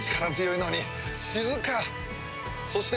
そして。